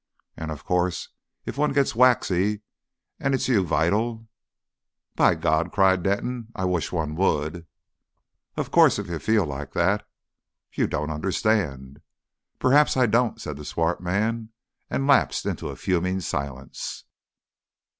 And, of course if one gets waxy and 'its you vital ..." "By God!" cried Denton; "I wish one would." "Of course, if you feel like that " "You don't understand." "P'raps I don't," said the swart man; and lapsed into a fuming silence.